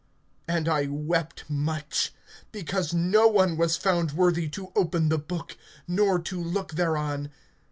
(4)And I wept much, because no one was found worthy to open the book, nor to look thereon.